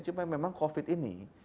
cuma memang covid ini